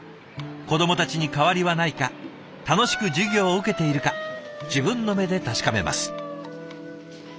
子どもたちに変わりはないか楽しく授業を受けているか自分の目で確かめます。